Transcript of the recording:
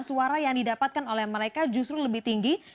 karena suara yang didapatkan oleh mereka justru lebih tinggi